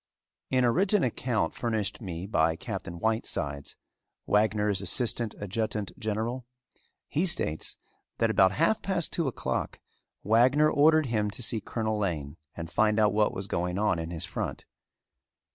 In a written account furnished me by Captain Whitesides, Wagner's assistant adjutant general, he states that about half past two o'clock Wagner ordered him to see Colonel Lane and find out what was going on in his front.